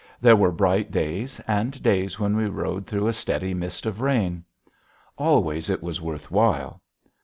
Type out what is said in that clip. There were bright days and days when we rode through a steady mist of rain. Always it was worth while.